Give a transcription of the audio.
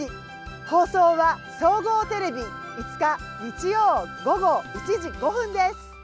放送は総合テレビ、５日日曜午後、１時５分です。